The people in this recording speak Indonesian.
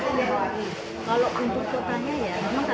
karena kita menggunjungi alamatnya